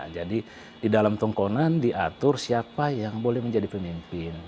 jadi di dalam tongkonan diatur siapa yang boleh menjadi pemimpin